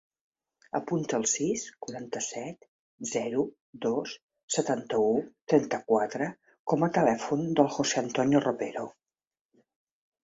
Apunta el sis, quaranta-set, zero, dos, setanta-u, trenta-quatre com a telèfon del José antonio Ropero.